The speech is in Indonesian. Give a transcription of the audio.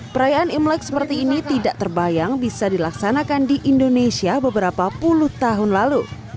perayaan imlek seperti ini tidak terbayang bisa dilaksanakan di indonesia beberapa puluh tahun lalu